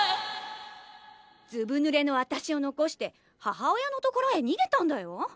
ずぶぬれの私を残して母親の所へにげたんだよ。